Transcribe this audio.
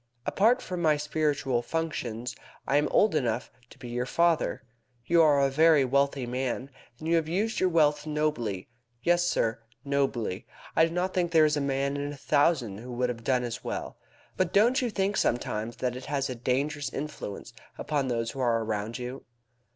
Apart from my spiritual functions I am old enough to be your father. You are a very wealthy man, and you have used your wealth nobly yes, sir, nobly. I do not think that there is a man in a thousand who would have done as well. But don't you think sometimes that it has a dangerous influence upon those who are around you?"